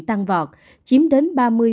tăng vọt chiếm đến ba mươi